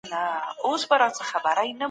هغه کسان چي مسلک لري، هېواد پرمخ وړي.